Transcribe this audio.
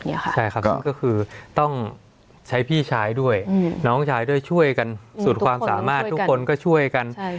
ใช่ค่ะก็คือต้องใช้พี่ชายด้วยน้องชายด้วยช่วยกันสุดความสามารถทุกคนก็ช่วยกัน